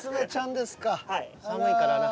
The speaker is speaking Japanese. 寒いからな。